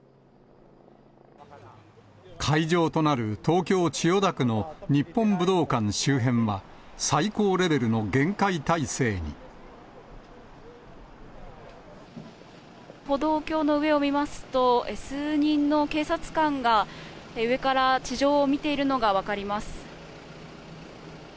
会場となる東京・千代田区の日本武道館周辺は、歩道橋の上を見ますと、数人の警察官が、上から地上を見ているのが分かります。